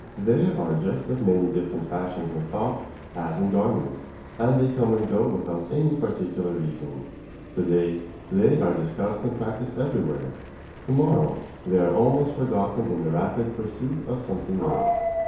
There are just as many different fashions in thought as in garments, and they come and go without any particular reason. To day, they are discussed and practised everywhere. To morrow, they are almost forgotten in the rapid pursuit of something new.